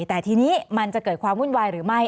แต่ทีนี้มันจะเกิดความวุ่นวายหรือไม่